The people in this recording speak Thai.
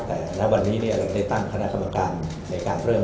แต่ในวันนี้เราก็ได้ตั้งคณะคำอาการในการเริ่ม